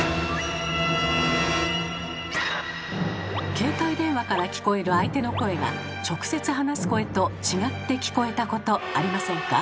携帯電話から聞こえる相手の声が直接話す声と違って聞こえたことありませんか？